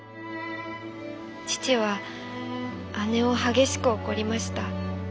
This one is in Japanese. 父は姉を激しく怒りました。